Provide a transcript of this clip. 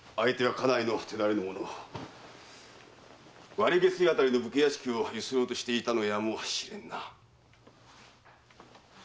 割下水あたりの武家屋敷を強請ろうとしていたのやもしれん。